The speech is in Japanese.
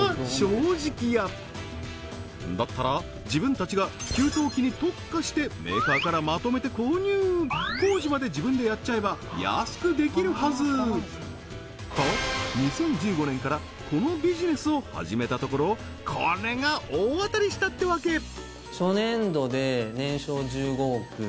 だったら自分たちが給湯器に特化してメーカーからまとめて購入工事まで自分でやっちゃえば安くできるはず！と２０１５年からこのビジネスを始めたところこれが大当たりしたってわけ！